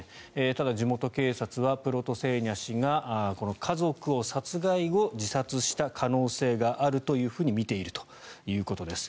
ただ、地元警察はプロトセーニャ氏が家族を殺害後自殺した可能性があるというふうにみているということです。